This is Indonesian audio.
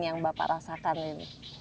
yang bapak rasakan ini